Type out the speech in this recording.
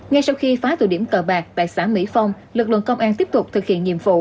ngay sau khi phá tụ điểm cờ bạc tại xã mỹ phong lực lượng công an tiếp tục thực hiện nhiệm vụ